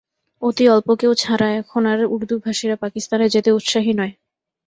অতি অল্প কেউ ছাড়া এখন আর উর্দুভাষীরা পাকিস্তানে যেতে উৎসাহী নয়।